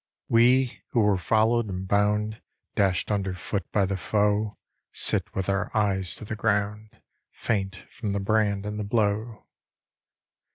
We, who were followed and bound, Dashed under foot by the foe, Sit with our eyes to the ground, Faint from the brand and the blow.